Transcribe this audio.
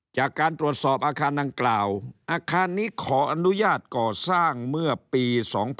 จากการตรวจสอบอาคารดังกล่าวอาคารนี้ขออนุญาตก่อสร้างเมื่อปี๒๕๖๒